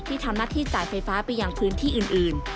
ทำหน้าที่จ่ายไฟฟ้าไปยังพื้นที่อื่น